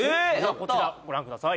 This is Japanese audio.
こちらご覧ください